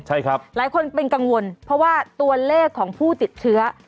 ใช่ครับหลายคนเป็นกังวลเพราะว่าตัวเลขของผู้ติดเชื้อ